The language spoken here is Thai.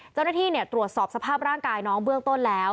เจ้าหน้าที่ตรวจสอบสภาพร่างกายน้องเบื้องต้นแล้ว